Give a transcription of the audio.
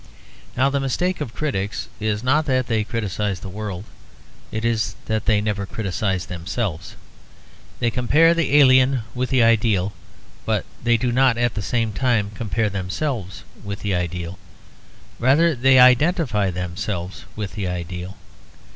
Now the mistake of critics is not that they criticise the world; it is that they never criticise themselves. They compare the alien with the ideal; but they do not at the same time compare themselves with the ideal; rather they identify themselves with the ideal.